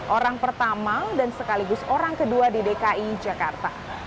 orang pertama dan sekaligus orang kedua di dki jakarta